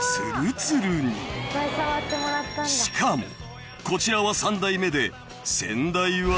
［しかもこちらは３代目で先代は］